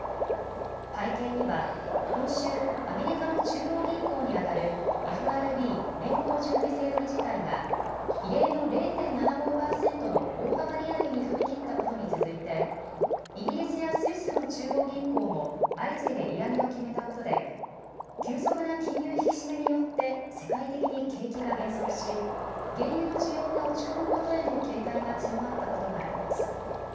背景には今週、アメリカの中央銀行にあたるＦＲＢ・連邦準備制度理事会が異例の０．７５％の大幅利上げに踏み切ったことに続いてイギリスやスイスの中央銀行も相次いで利上げを決めたことで急速な金融引き締めによって世界的に景気が減速し原油の需要が落ち込むことへの警戒が強まったことがあります。